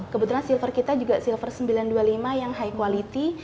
kebetulan silver kita juga silver sembilan ratus dua puluh lima yang high quality